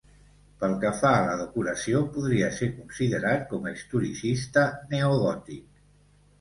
Pel que fa a la decoració podria ser considerat com a historicista neogòtic.